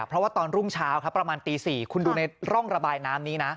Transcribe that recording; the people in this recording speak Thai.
เพราะว่าตอนรุ่งเช้าครับประมาณตี๔คุณดูในร่องระบายน้ำนี้นะ